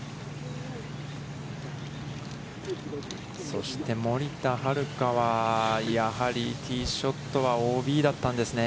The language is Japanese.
そして森田遥は、やはりティーショットはＯＢだったんですね。